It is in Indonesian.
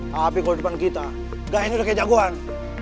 tapi kalo depan kita gain udah kayak jagoan